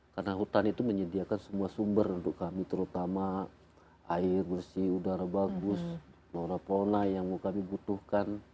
karena hutan itu menyediakan semua sumber untuk kami terutama air bersih udara bagus norak polna yang kami butuhkan